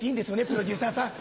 プロデューサーさん。